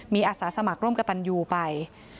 มีอาสาสมัครร่วมกับตันยูไป